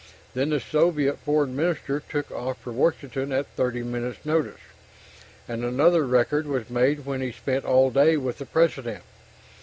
Then the Soviet Foreign Minister took off for Washington at 30 minutes' notice, and another record was made when he spent all day with the President.